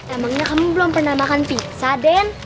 emangnya kamu belum pernah makan pizza den